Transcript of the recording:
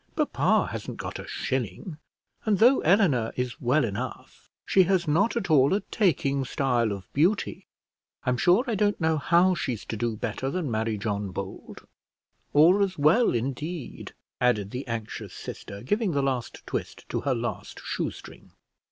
Papa hasn't got a shilling; and though Eleanor is well enough, she has not at all a taking style of beauty. I'm sure I don't know how she's to do better than marry John Bold; or as well indeed," added the anxious sister, giving the last twist to her last shoe string.